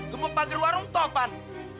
gemuk pagar warung topan